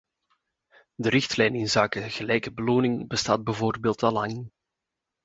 De richtlijn inzake gelijke beloning bestaat bijvoorbeeld al lang.